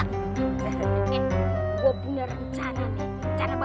duitnya buat makan di netara ya